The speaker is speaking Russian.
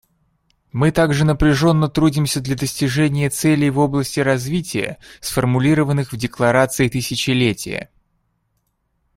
Мы также напряженно трудимся для достижения целей в области развития, сформулированных в Декларации тысячелетия.